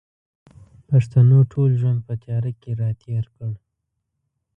پښتنو ټول ژوند په تیاره کښې را تېر کړ